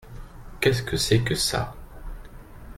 Qu’est-ce que c’est que ça ?